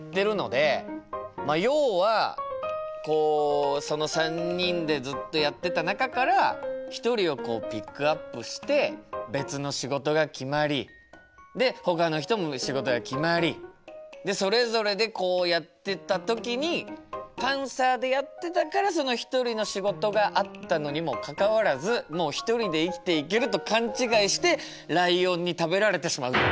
まあ要はこうその３人でずっとやってた中から一人をピックアップして別の仕事が決まりでほかの人も仕事が決まりそれぞれでやってった時にパンサーでやってたから一人の仕事があったのにもかかわらずもう一人で生きていけると勘違いしてライオンに食べられてしまう。